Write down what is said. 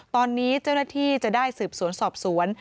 ตอนนี้เจ้าหน้าที่จะได้สืบสวนสอบสวน